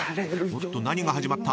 ［おっと何が始まった？］